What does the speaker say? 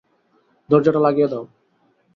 দরজাটা লাগিয়ে দাও।